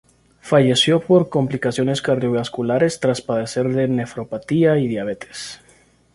Falleció por complicaciones cardiovasculares tras padecer de nefropatía y diabetes.